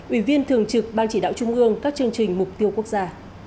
ủy viên thường trực ban chỉ đạo trung ương các chương trình mục tiêu quốc gia